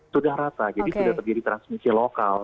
sudah rata jadi sudah terjadi transmisi lokal